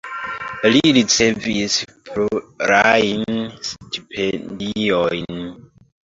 Li ricevis plurajn stipendiojn.